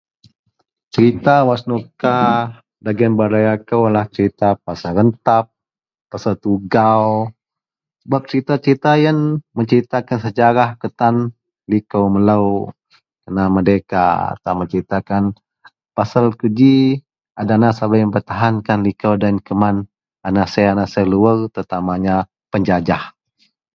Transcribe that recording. serita wak senuka dagen balai akou ienlah pasal rentap, pasal tugau sebab serita-serita ien menseritakan sejarah kutan likou melou kena merdeka, atau menseritakan pasal ko ji a dana sabei mempertahankan likou deloien keman anansir-anasir luar terutamanya penjajah